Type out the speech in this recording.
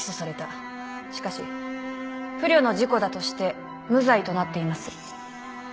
しかし不慮の事故だとして無罪となっています。